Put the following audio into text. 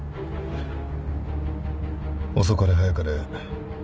遅かれ早かれ